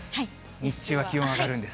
日中は気温上がるんです。